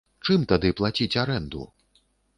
Чым тады плаціць арэнду?